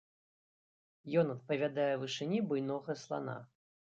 Ён адпавядае вышыні буйнога слана.